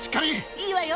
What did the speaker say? いいわよ！